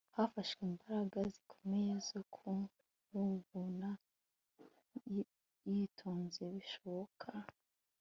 hafashwe ingamba zikomeye zo kumuvuna yitonze bishoboka